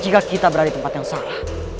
jika kita berada di tempat yang salah